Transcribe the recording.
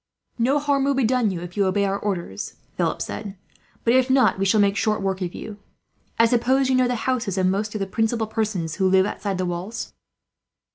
"No harm will be done to you, if you obey our orders," Philip said; "but if not, we shall make short work of you. I suppose you know the houses of most of the principal persons who live outside the walls?"